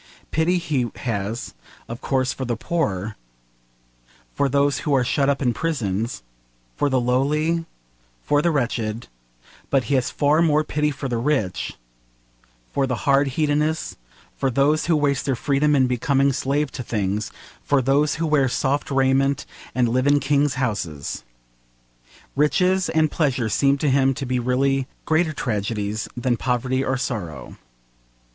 Pity he has, of course, for the poor, for those who are shut up in prisons, for the lowly, for the wretched; but he has far more pity for the rich, for the hard hedonists, for those who waste their freedom in becoming slaves to things, for those who wear soft raiment and live in kings' houses. Riches and pleasure seemed to him to be really greater tragedies than poverty or sorrow.